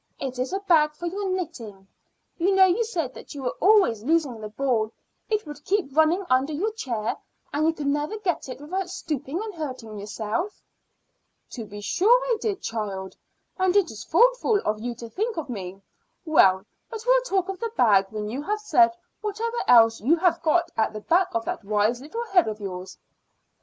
It is a bag for your knitting. You know you said that you were always losing the ball; it would keep running under your chair, and you could never get it without stooping and hurting yourself." "To be sure I did, child, and it is thoughtful of you to think of me. Well, but we'll talk of the bag when you have said whatever else you have got at the back of that wise little head of yours."